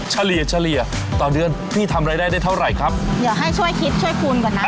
เฉลี่ยเฉลี่ยต่อเดือนพี่ทำรายได้ได้เท่าไหร่ครับเดี๋ยวให้ช่วยคิดช่วยคุณก่อนนะ